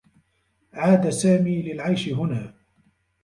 عاد سامي للعيش هنا.